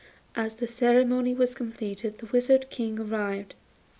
As the ceremony was completed the Wizard King arrived.